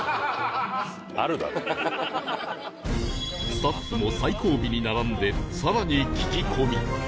スタッフも最後尾に並んで更に聞き込み